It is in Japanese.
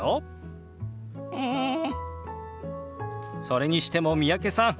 それにしても三宅さん